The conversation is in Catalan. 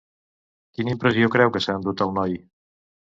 Quina impressió creu que s'ha endut el noi?